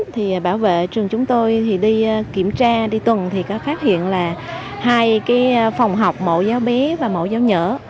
thì bảo vệ trường chúng tôi thì đi kiểm tra đi tuần thì có phát hiện là hai cái phòng học mẫu giáo bé và mẫu giáo nhỏ